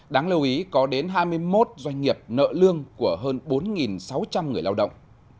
đáng lưu ý có đến hai mươi một doanh nghiệp nợ lương của hơn bốn sáu trăm linh người lao động